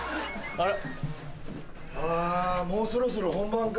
・あもうそろそろ本番か・